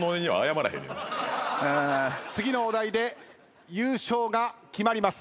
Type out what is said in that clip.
次のお題で優勝が決まります。